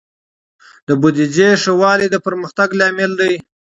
د بودیجې ښه والی د پرمختګ لامل دی.